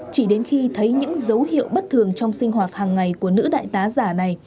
chỉ đến khi thấy những dấu hiệu bất thường trong sinh hoạt hàng ngày của nữ đại tá giả này